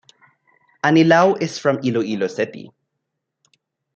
Anilao is from Iloilo City.